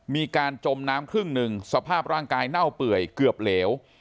มีการจมน้ำครึ่งหนึ่งสภาพร่างกายเน่าเปื่อยเกือบเหลว